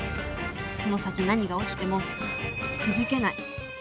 この先何が起きてもくじけない。